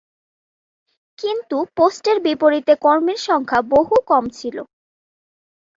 কিন্তু পোস্টের বিপরীতে কর্মীর সংখ্যা বহু কম ছিল।